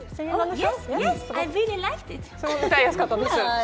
歌いやすかったです。